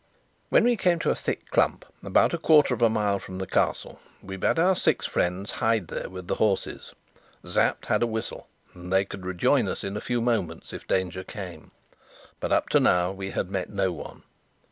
When we came to a thick clump, about a quarter of a mile from the Castle, we bade our six friends hide there with the horses. Sapt had a whistle, and they could rejoin us in a few moments if danger came: but, up to now, we had met no one.